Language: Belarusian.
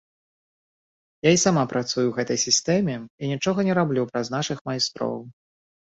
Я і сама працую ў гэтай сістэме і нічога не раблю праз нашых майстроў.